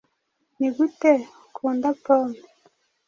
Nigute ukunda pome?